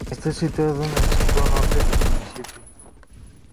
Está situado en el centro-norte del municipio.